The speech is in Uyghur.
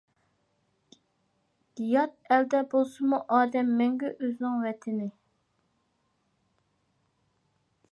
يات ئەلدە بولسىمۇ ئادەم مەڭگۈ ئۆزىنىڭ ۋەتىنى.